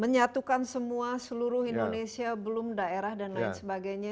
menyatukan semua seluruh indonesia belum daerah dan lain sebagainya